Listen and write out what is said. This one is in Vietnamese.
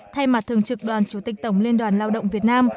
thay mặt thường trực đoàn chủ tịch tổng liên đoàn lao động việt nam